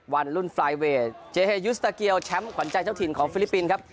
วันรุ่นฟลายเวทเจเฮยุสตาเกียวแชมป์ขวัญใจเจ้าถิ่นของฟิลิปปินส์ครับ